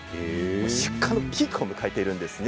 出荷のピークを迎えているんです。